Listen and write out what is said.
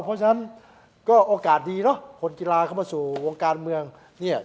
เพราะฉะนั้นก็โอกาสดีเนอะคนกีฬาเข้ามาสู่วงการเมืองเนี่ย